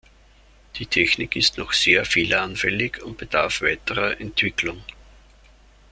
Die Technik ist noch sehr fehleranfällig und bedarf weiterer Entwicklung.